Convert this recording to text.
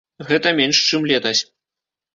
Гэта менш, чым летась.